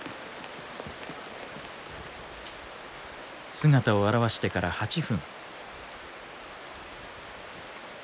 姿を現してから８分。